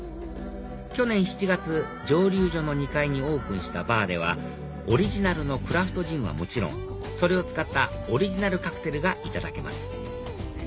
去年７月蒸留所の２階にオープンしたバーではオリジナルのクラフトジンはもちろんそれを使ったオリジナルカクテルがいただけます